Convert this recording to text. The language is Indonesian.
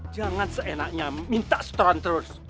jangan seenaknya minta store terus